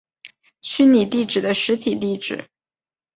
虚拟地址的实体地址。